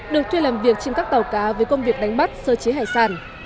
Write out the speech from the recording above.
được thuê làm việc trên các tàu cá với công việc đánh bắt sơ chế hải sản